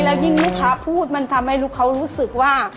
แล้วยิ่งลูกค้าพูดมันทำให้ลูกเขารู้สึกว่า